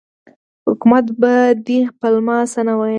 حکومت به په دې پلمه څه نه ویل.